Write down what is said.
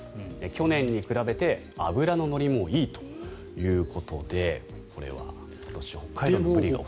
去年に比べて脂の乗りもいいということでこれは今年、北海道のブリが。